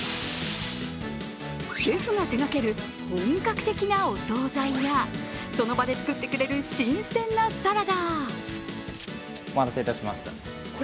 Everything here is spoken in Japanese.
シェフが手がける本格的なお総菜やその場で作ってくれる新鮮なサラダ。